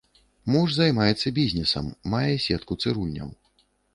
Муж займаецца бізнесам, мае сетку цырульняў.